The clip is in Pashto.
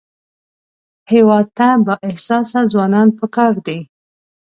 هېواد ته بااحساسه ځوانان پکار دي